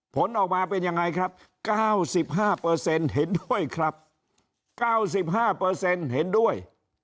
ผลออกมาเป็นยังไงครับ๙๕เห็นด้วยครับ๙๕เห็นด้วย